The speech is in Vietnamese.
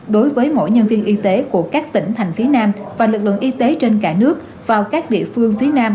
đối với mỗi nhân viên y tế của các tỉnh thành phía nam và lực lượng y tế trên cả nước vào các địa phương phía nam